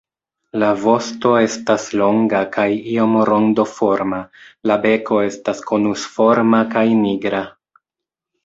La vosto estas longa kaj iom rondoforma; la beko estas konusforma kaj nigra.